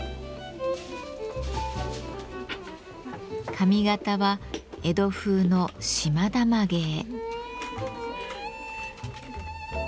髪型は江戸風の「島田髷」へ。